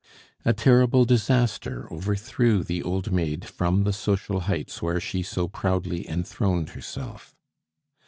A terrible disaster overthrew the old maid from the social heights where she so proudly enthroned herself.